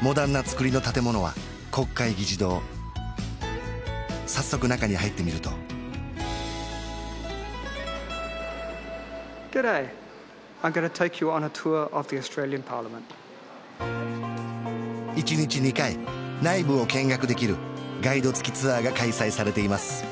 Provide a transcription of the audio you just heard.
モダンな造りの建物は国会議事堂早速中に入ってみると一日２回内部を見学できるガイド付きツアーが開催されています